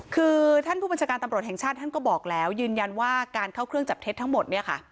คือท่านผู้บัญชาการตำรวจแห่งชาติท่านก็บอกแล้วยืนยันว่าการเข้าเครื่องจับเท็จทั้งหมดเนี่ยค่ะ